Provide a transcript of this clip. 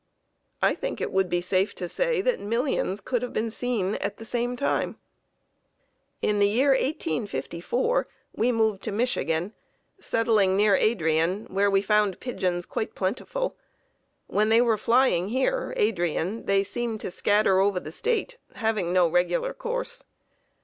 I think it would be safe to say that millions could have been seen at the same time. In the year 1854 we moved to Michigan, settling near Adrian, where we found pigeons quite plentiful. When they were flying here (Adrian) they seemed to scatter over the State, having no regular course.